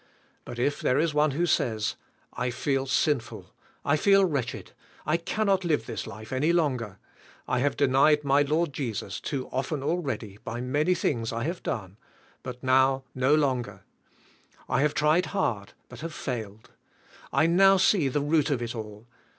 But if there is one who says, *'I feel sinful, I feel wretched, I cannot live this life any long er. I have denied my Lord Jesus too often al ready by many thing s I have done; but now no longer. I have tried hard but have failed. I now see the root of it all.